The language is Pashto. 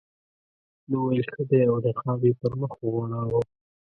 ده وویل ښه دی او نقاب یې پر مخ وغوړاوه.